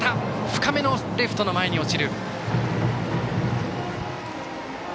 深めのレフトの前に落ちる。